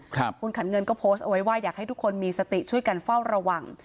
คุณขันเงินก็โพสต์เอาไว้ว่าอยากให้ทุกคนมีสติช่วยกันเฝ้าระวัง